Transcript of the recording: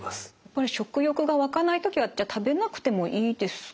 これ食欲が湧かない時はじゃあ食べなくてもいいですか？